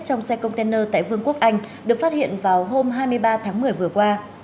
trong xe container tại vương quốc anh được phát hiện vào hôm hai mươi ba tháng một mươi vừa qua